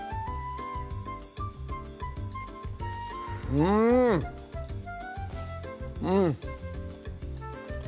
うんうん！